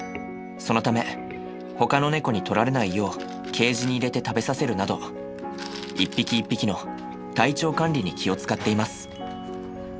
そのためほかの猫に取られないようケージに入れて食べさせるなど一匹一匹の体調管理に気を遣っています。